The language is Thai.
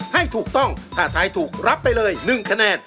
ให้ถูกต้องถ้าทายถูกรับไปเลย๑คะแนน